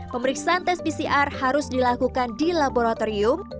pemeriksaan tes pcr harus dilakukan di laboratorium